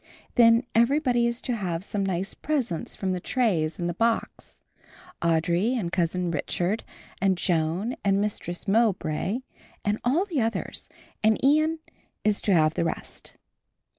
Then everybody is to have some nice presents from the trays and the box, Audry and Cousin Richard, and Joan and Mistress Mowbray and all the others, and Ian is to have the rest."